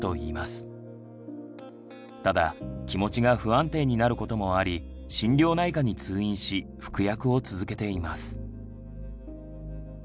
ただ気持ちが不安定になることもあり心療内科に通院し服薬を続けています。